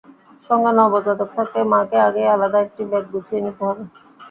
সঙ্গে নবজাতক থাকলে মাকে আগেই আলাদা একটি ব্যাগ গুছিয়ে নিতে হবে।